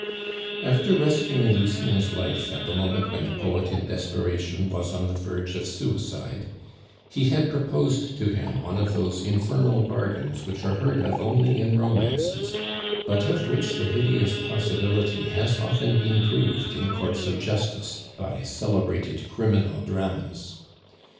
After rescuing Lucien's life at the moment when the poet in desperation was on the verge of suicide, he had proposed to him one of those infernal bargains which are heard of only in romances, but of which the hideous possibility has often been proved in courts of justice by celebrated criminal dramas.